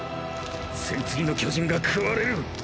「戦鎚の巨人」が食われる。